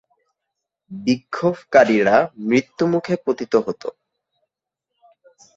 বিক্ষোভকারীরা মৃত্যুমুখে পতিত হতো।